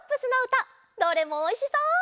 どれもおいしそう！